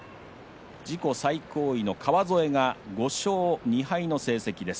自己最高位の川副が５勝２敗の成績です。